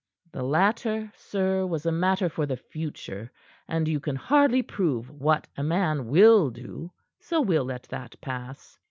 "The latter, sir, was a matter for the future, and you can hardly prove what a man will do; so we'll let that pass.